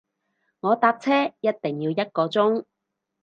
我搭車一定要一個鐘